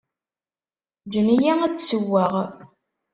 Ǧǧem-iyi ad d-ssewweɣ.